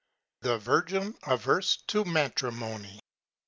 The VIRGIN AVERSE TO MATRIMONY.